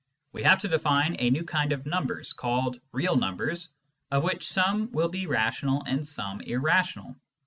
We have to define a new kind of numbers called " real numbers," of which some will be rational and some irrational.